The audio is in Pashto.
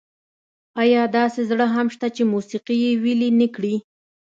ایا داسې زړه هم شته چې موسيقي یې ویلي نه کړي؟